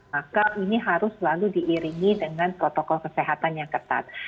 maka ini harus selalu diiringi dengan protokol kesehatan yang ketat